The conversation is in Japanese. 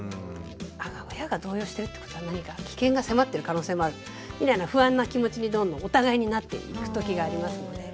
親が動揺してるってことは何か危険が迫ってる可能性もあるみたいな不安な気持ちにどんどんお互いになっていくときがありますので。